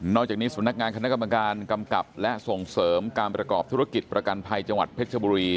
อกจากนี้สำนักงานคณะกรรมการกำกับและส่งเสริมการประกอบธุรกิจประกันภัยจังหวัดเพชรบุรี